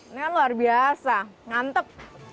ini luar biasa ngantep